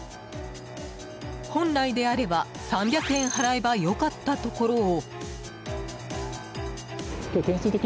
本来であれば、３００円払えば良かったところを。